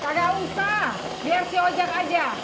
kagak usah biar si ojak aja